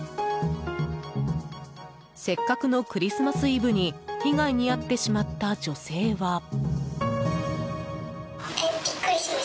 せっかくのクリスマスイブに被害に遭ってしまった女性は。